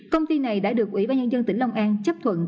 công ty này đã được ủy ban nhân dân tỉnh long an chấp thuận